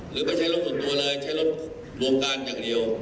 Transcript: ไม่ใช่รถส่วนตัวเลยใช้รถวงการอย่างเดียว